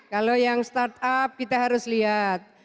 kalau yang startup kita harus lihat